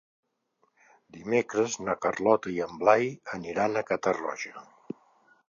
Dimecres na Carlota i en Blai aniran a Catarroja.